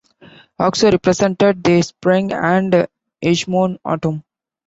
Auxo represented the spring, and Hegemone autumn.